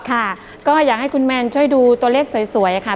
ค่ะก็อยากให้คุณแมนช่วยดูตัวเลขสวยค่ะ